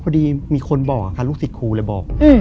พอดีมีคนบอกค่ะลูกศิษย์ครูเลยบอก